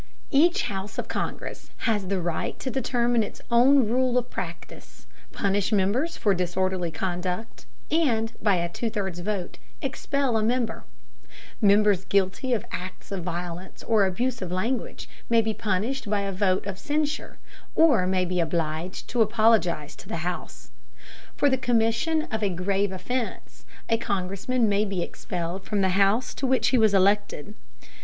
Each house of Congress has the right to determine its own rule of practice, punish members for disorderly conduct, and, by a two thirds vote, expel a member. Members guilty of acts of violence or abusive language may be punished by a vote of censure, or may be obliged to apologize to the house. For the commission of a grave offense, a Congressman may be expelled from the house to which he was elected.